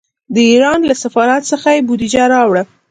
د ایران له سفارت څخه یې بودجه راوړه.